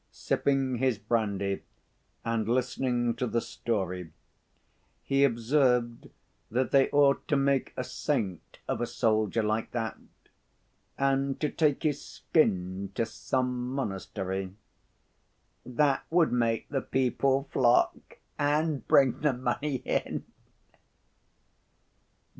Sipping his brandy and listening to the story, he observed that they ought to make a saint of a soldier like that, and to take his skin to some monastery. "That would make the people flock, and bring the money in."